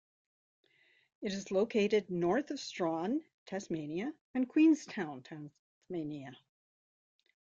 It is located north of Strahan, Tasmania and Queenstown, Tasmania.